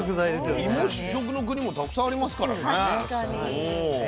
いも主食の国もたくさんありますからね。